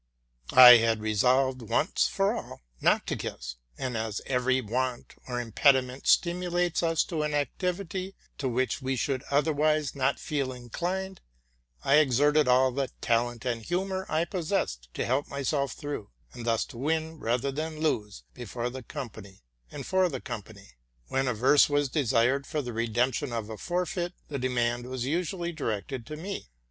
I had resolved, once for all, not to kiss; and, as every want or impediment stimulates us to an activity to which we should otherwise not feel inclined, I exerted all the talent and humor T possessed to help myself through, and thus to win rather than lose, before the company and for the company. Whena verse was desired for the redemption of a forfeit, the demand was usually directed to me.